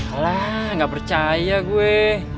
alah gak percaya gue